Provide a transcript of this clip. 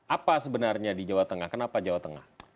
apa sebenarnya di jawa tengah kenapa jawa tengah